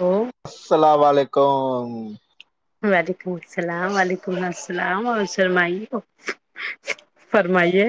او السلام علیکم وعلیکم السلام و علیکم السلام اور فرمائیے فرمائیے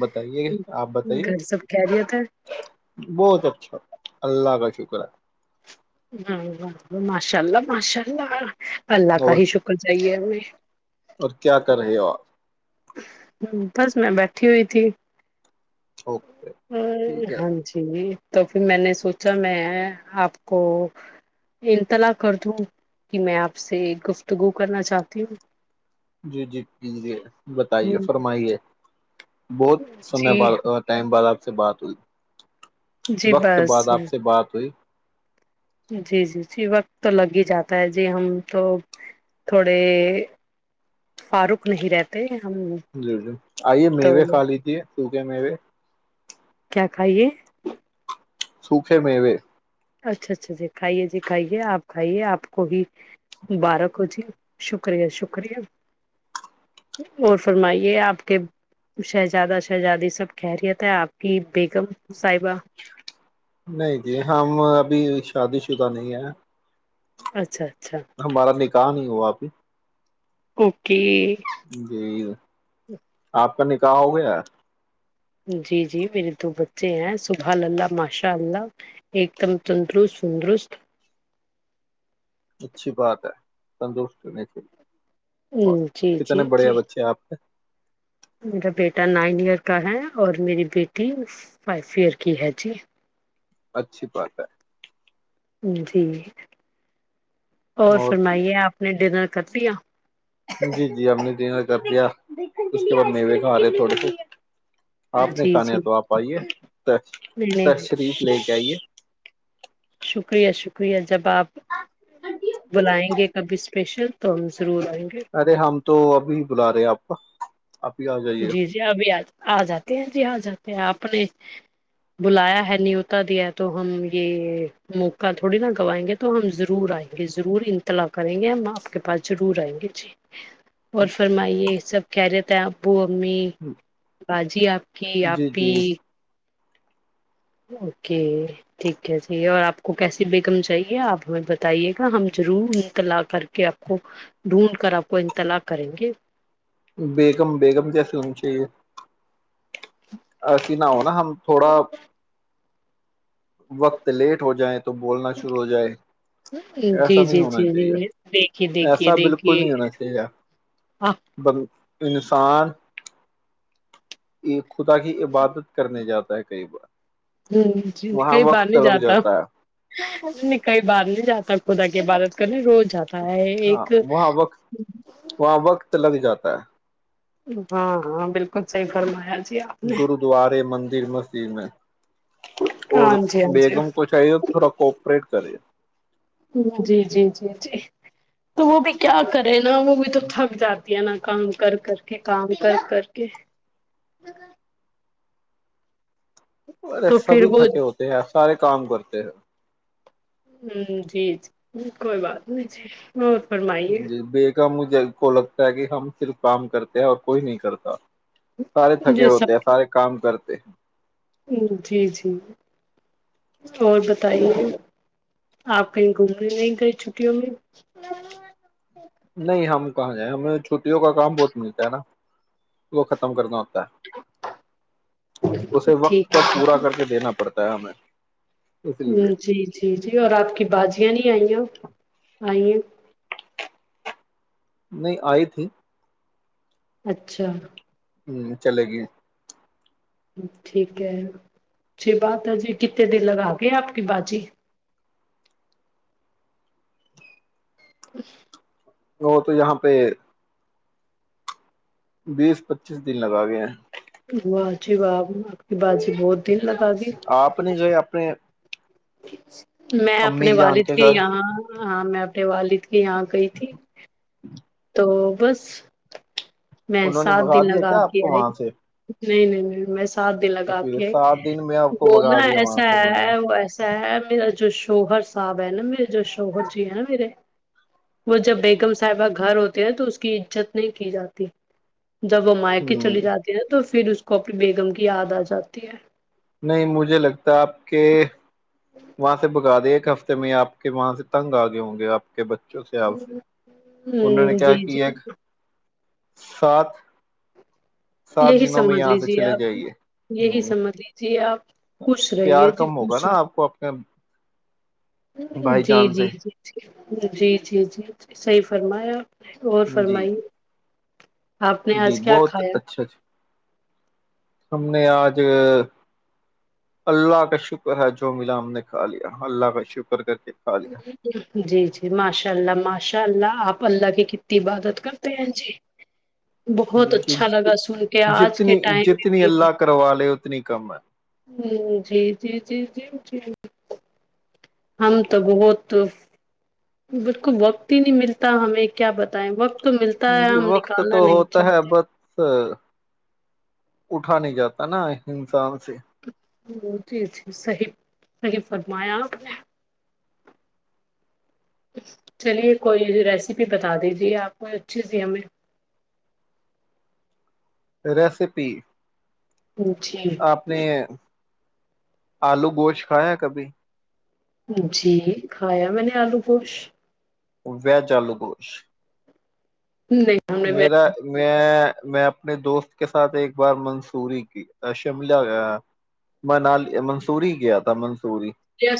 بتائیے آپ بتائیے گھر سب [unintelligible] بہت اچھا اللہ کا شکر ہے ہ ماشاء اللہ ماشاء اللہ اللہ ہے کا اور ہی شکر جائیے جمی [unintelligible] اور کیا کر رہے ہو آپ؟ ہ بس میں بیٹھی ہوئی تھی اوکے ا ٹھیک ہے ہاں جی تو پھر میں نے سوچا میں آپ کو انطلاع کر دوں کہ میں آپ سے گفتگو کرنا چاہتی ہوں جی جی ج جی بتائیے ہوں فرمائیے بہت سمے ب جی ٹائم ب آ سے بات ہوئی جی وقت بس بعد آپ سے بات ہوئی جی جی جی وقت تو لگ ہی جاتا ہے جی ہم تو تھوڑے فاروق نہیں رہتے ہم جی جی آئیے تو میوے کھا لیجے سوکھے میوے کیا کھائیے سوکھے مو اچھا اچھا جی کھائیے جی کھائیے آپ کھائیے آپ کو ہی مبارک ہو جی شکریہ شکریہ اور فرمائیے آپ کے شہزادہ شہزادی سب خیریت ہے آپ کی بیگم صاحبہ نہیں جی ہم ابھی شادی شدہ نہیں ہے اچھا اچھا ہمارا نکل کہ نہیں ہوا ابھی اوکے جی [unintelligible] آپ کا نکاح ہو گیا جی جی میرے دو بچے ہیں سبح اللہ ماشاء اللہ ایک دم تندرست وندرست اچھی بات ہے سنتوش نہیں چ اور جی کتنے جی جی بڑے بچے آپ کے میرا بیٹا نائن ایئر کا ہے اور میری بیٹی فائیو ایئر کی ہے جی اچھی بات ہے جی [inaudible] اور فرمائیے آپ نے ڈنر کتییا [inaudible] جی جی ہم نے ڈنر کر دیا اس کے بعد میوے کا آ رہے تھوڑے سے آپ نے جی کھانا جی ہے تو آپ آئیے نہیں نہیں تشریف لے کے آئیے شکریہ شکریہی جب آپ بلائیں گے کبھی اس اسپشر توامس ارے ہم تو ابھی ہی بلا رہے ہیں آپ کو ا [inaudible] جائیے جی جی ابھی آ آ جاتے ہیں جی آ جاتے ہیں آپ نے بلایا ہے نیوتا دیا ہے تو ہم یہ موقع تھوڑی نا گوائیں گے تو ہم ضرور آئیں گے ضرور انتلا کریں گے ہم آپ کے پس ضرور آئیں گے جی اور فرمائیے سب کہہ رہتے ہیں آپ وہ [inaudible] امی باجی آپ کی جی آپی جی اوکے ٹھیک ہے جی اور آپ کو کیسی بیگم چاہیے آپ ہمیں بتائیے گا ہم ضرور انتلاع کر کے آپ کو ڈھونڈ کر آپ کو انتلاع کریں گے بیگم بیگم کیا فلم چاہیے ایسی نہ ہو نا ہم تھوڑا وقت لیٹ ہو جائے تو بولنا شروع ہو جائے ایسا جی نہیں جی ہونا جی چاہیے جی دیکھیے دیکھیے ایسا بالکل دیکھیے نہیں ہونا چاہیے آپ سستان ایک خدا کی عبادت کرنے جاتا ہے کئی بار [inaudible] ہوں [inaudible] جی وہاں کئی بار وقت نہیں لگ جاتا ہے کئی بار نہیں جاتا خدا کہ بارت کرنے روز جاتا ہے ہاں ایک وہاں وقت وہاں وقت لگ جاتا ہاں ہاں بالکل سحی فرمایا [inaudible] گرودوارے مندر مسجد میں اور ہاں جی ہاں جی بیگم کو چاہیے تھوڑا کوپریٹ [inaudible] کرے [inaudible] جی جی جی جی تو وہ بھی کیا کرے نا وہ بھی تو تھک جاتی ہے نا کام کر کر کے کام کر کر کے [inaudible] ارے تو پھر سبھی وہ تھکے ہوتے ہیں سارے [inaudible] کام کرتے ہیں [inaudible] جی ج کوئی بات نہیں [inaudible] فرمائیے جی بے کا مجھ [inaudible] کو لگتا ہے کہ ہم صرف کام کرتے ہیں اور کوئی نہیں کرتا [inaudible] سارے تھکے جی ہوتے ہیں سب سارے کام کرتے [inaudible] [inaudible] جی جی اور بتائیے آپ کہیں گھومنے نہیں گئی چھٹیوں میں [inaudible] نہیں ہم کہیں [inaudible] ہمیں چھٹیوں کا کام بہت ملتا ہے نا ختم کرنا ہوتا [inaudible] اسے وقت ٹھیک پر پورا کر کے دینا پڑتا [inaudible] تا ہمیں [inaudible] لیے جی جی جی اور آپ کی بازیاں نہیں آئییا [inaudible] آئیے [inaudible] نہیں آئی تھی [inaudible] اچھا [inaudible] ہوں چلے گی [inaudible] ٹھیک ہےچچی بات ہے جی کنے دن لگا کے آپ کی بازی [inaudible] [inaudible] وہ تو یہاں پہ [inaudible] بیس پچیس دن لگا گیا ہیں [inaudible] آچی باب آپ کی باازی بہت [unintelligible] آپ نے جو ہے اپنے [unintelligible] ٹھیک [inaudible] میں اپنے امی جان والد کے گھر یہاں ہ میں [unintelligible] وال [inaudible] یہاں گئی تھی [inaudible] تو بس [unintelligible] میں انہوں نے سات بگا دن دیا لگا کیا آپ کے کو آئے وہاں سے [unintelligible] نہیں نہیں نہیں بس [unintelligible] ساتھ د تو پھر لگاتے سات دن میں آپ کو بگا وہنا دیا وہاں ایسا سے انہوں نے ہے وہ ایسا ہے ما [unintelligible] جو شوہر صاحب ہے نا میرے جو شوہر جی ہیں نا میرے وہ جب بیگم صاحب [unintelligible] گھر ہوتے ہیں تو اس کی عزت نہیں کی جاتی [unintelligible] جب وہ مایکے چلی ہ جاتی ہے تو پھر اس [unintelligible] اس کو اپنی بیگم کی یاد آ جاتی ہے نہیں مجھے لگتا آپ کے وہاں سے بگا د [unintelligible] ہفتے میں آپ کے وہاں سے تنگ آگے ہوں گے آپ کے بچے [unintelligible] ہ جی جی کیا [unintelligible] سات [unintelligible] سات یہی دنوں میں سمجھ یہاں سے لیجیے چلے آپ جائیے یہی ہ سمجھ لیجیے آپ [unintelligible] خوش پیار رہیے جی کم ہوگا خوش نا آپ کو اپنے بھائی جی جان جی سے جی [unintelligible] جی جی جیی صحیح فرمایاپ [unintelligible] اور جی فرمائی [unintelligible] آپ نے جی آج کیا بہت کھایا اچھا [unintelligible] ہم نے آج اللہ کا شکر ہے جو ملا ہم نے کھا لیا اللہ کا شکر کر کے کھا لیا جی جی ماشاء اللہ ماشاء اللہ آپ [unintelligible] اللہ کی کتنی عبادت کرتے ہیں جی بہت جی اچھا لگا سن کے آج کے جتنی ٹائم میں جتنی بھی ہ اللہ کروا لے اتنی کم ہے جی جی جی جی [unintelligible] جی [unintelligible] ہم تو بہت بالکل وقت ہی نہیں ملتا ہمیں کیا بتائیں وقت [unintelligible] ہے جی ہم وقت نکالنا تو نہیں ہوتا ہے چاہتے بس [unintelligible] اٹھا نہیں جاتا نا ہسان سے [unintelligible] ہ جی جی صحیح صحیح فرمایاپ نے [unintelligible] چلیے کوئی ریسیپی بتا دیجیے آپ کوئی اچھی سےھی ہمیں [unintelligible] ریسیپی [inaudible] اچھ آپ نے [inaudible] آلو گوشت کھایا کبھی جی کھایا میں نے آلو گوشت [inaudible] وجلو گوش [inaudible] نہیں ہم نے میرا ویج میں میں اپنے دوست کے ساتھ ایک بار منصوری کی شملہ مالی منصوری کیا تھا منصوری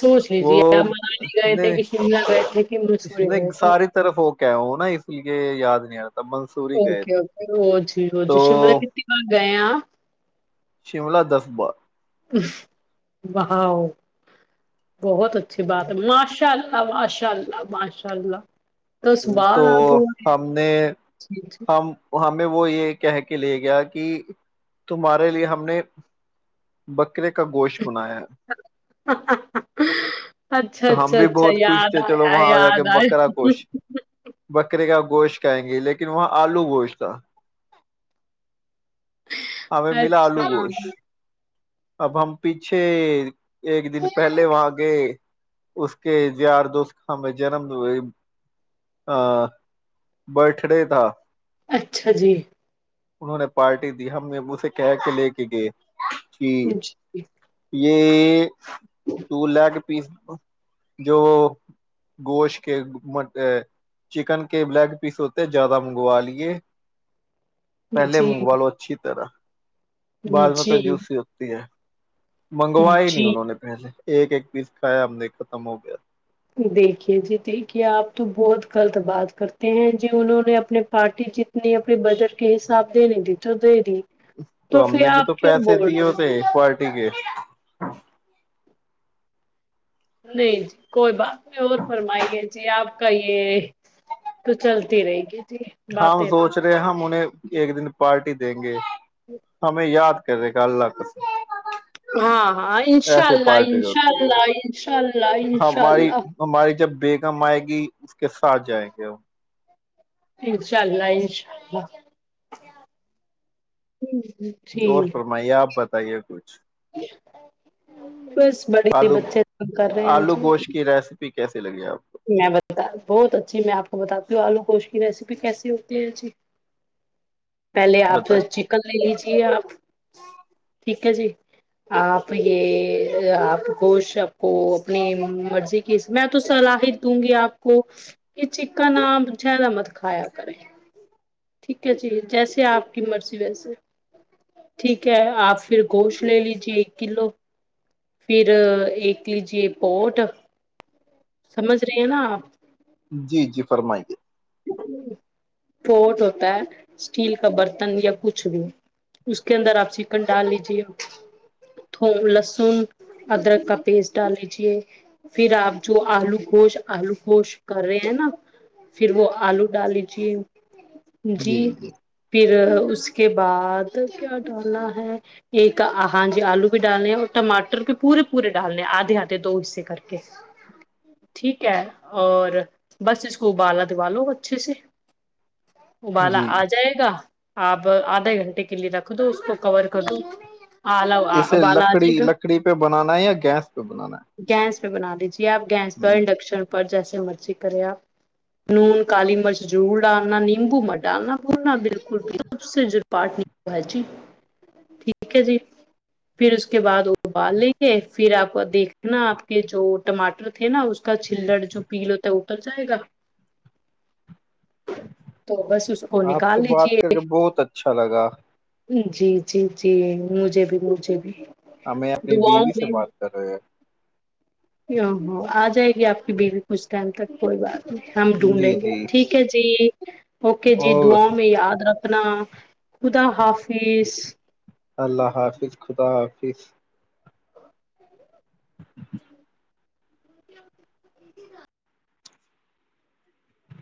سوچ وہ لیجیے آپ منالی گئے تھے نہیں کہ شملہ گئے تھے کہ مسوری نہیں، گئے تھے [inaudible] ساری طرف ہو کیا ہو نا اس لیے یاد نہیں آ [inaudible] گئے اوکے تھے اوکے جی تو جی شملہ کتنی باار گئے آپ [inaudible] شملہ دفبار [inaudible] بہؤ بہت اچھ [inaudible] اچھی بات ماشل [inaudible] ماشاء اللہ ماشاء اللہ [inaudible] بار تو آپ بول ہم نے رہی ہیں. ہم ہم [inaudible] وہ یہ کہہ کے لے گیا کہ تمہارے لیے ہم نے [inaudible] ب [inaudible] بکرے کا گوشت بنایا ہے اچھا تو ہم اچھا بھی اچھا بہت خوش یاد تھے چلو آیا وہاں آ جا کے یاد آیا بکرا گوشت بکرے کا گوشت کھائیں گے لیکن وہاں آلو گوشت تھا [inaudible] ہمیں ملا آلو اچھا گوشت [inaudible] اب ہم پیچھے ایک دن پہلے وہاں گئے اس کے یار دوستیں جنم ہوئے ا برھ ڈے تھا اچھا جی [inaudible] انہوں نے پارٹی دی ہم مبوے کہ کے لے کے گئے [inaudible] اچ جی [inaudible] یہ [inaudible] تو لے کے پیسو [inaudible] جو گوشت کے م چکن کے بلیک پیس ہوتے زیادہ منگوا لیے پہلے جی منگوا لو اچھی طرح بع میں کا جی جوس ہی ہوتا کیا [inaudible] منگوا ہی نہیں جی انہوں نے پہلے ایک ایک پیس کھایا ہم نے ختم ہو گیا [inaudible] دیکھیے جی دیکھیے آپ تو بہت غلط بات کرتے ہیں جی انہوں نے اپنے پارٹی جتنی اپنے بجٹ کے حساب دے نہیں دی تو دے دی تو ہم پھر نے بھی تو آپ کیوں پیسے بول دیے رہے ہوتے ہیں پارٹی کے نہیں جی کوئی بات [inaudible] کوئی اور فرمائی ہے جی آپ [inaudible] کاے تو چلتی رہے گی [inaudible] ہاں باتیں تو سوچ رہے ہیں ہم انہیں ایک دن پارٹی دیں گے ہمیں یاد کرے کل لپس [inaudible] ہاں ہاں انشاء اللہ پارٹی انشاء ہوتی ہے اللہ انشاء اللہ انشاء اللہ کم آئے گی اس کے ساتھ جائے گا وہ [inaudible] انشاء اللہ ان شاءلہ ہوں [inaudible] اور فرمائیے آپ بتائیے کچھ بس بڑے ہی آلو بچے کا کر رہے ہیں جی کیسے لگے آپ میں بتا بہت اچھی میں آپ کو بتاتی ہوں آلو گوشت کی ریسیپی کیسی ہوتی ہے ای پہلے کو آپ تو بتائیے چکن لے لیجیے ٹھیک ہے جی آپ یہ آپ خوش آپ کو اپنی مرضی کی میں تو صلاحی دوں گی آپ کو کہ چککن آپ جیادہ مت کھایا کریں ٹھیک ہے جی جیسے آپ کی مرضی ویسے ٹھیک ہے آپ پھر گوشت لے لیجیے ایک کلو پھر ایک لیجے پوٹ سمجھ رہی ہیں نا جی جی فرمائیے پوٹ ہوتا ہے اسٹیل کا برتن یا کچھ بھی اس کے اندر آپ چکن ڈال لیجیے لہسن ادرک کا پیسٹ ڈال لیجے پھر آپ جو آلو گوشت آلو گوشت کر رہے ہیں نا پھر وہ آلو ڈال لیجیے جی پھر اس کے بعد کیا ڈالنا ہے ایک ہاں جی آلو بھی ڈالنے اور ٹماٹر بھی پورے پورے ڈالنے آدھے آدھے دو حصے کر کے ٹھیک ہے اور بس اس کو ابالا دوا لو اچھے سے ا بالا جی آ جائے گا آپ آدھے گھنٹے کے لیے رکھ دو اس کو کور کر دو آلا اسے ابالا آ جائے لکڑی گا لکڑی پہ بنانا ہے یا گیس پہ بنانا ہے گیس بنا دیجی آپ گیس پر جی انڈکشن پر جیس م [inaudible] نون کالی مرچ ضرور ڈالنا نیمبو مر ڈالنا پولنا بالک [inaudible] پٹ بھاجی ٹھیک ہے جی پھر اس کے بعد وہ ابال لیں گے پھر آپ دیکھ ل نا آپ کے جو ٹماٹر تھے نا اس کا چلڑ جو پیل ہوتا ہے اتر جائے گا تو بس اس کو آپ سے نکال بات کر لیجیے کے بہت اچھا لگا جی جی جی مجھ بھی مج ج بھی ہمیں اپنی بیوی دعاؤں سے بات کر رہے ہیں ا ہو آ جائے گی آپ کی بیوی کچھ ٹائم تک کوئی بات ہم ہیں جی ڈھونڈیں گے جی ٹھیک ہے جی اوکے جی اور دعاؤ میں یاد رکھ اپنا خدا حافظ اللہ حافظ خدا حافظ [unintelligible]